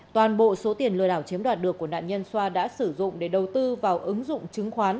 toàn bộ số tiền lừa đảo chiếm đoạt được của nạn nhân xoa đã sử dụng để đầu tư vào ứng dụng chứng khoán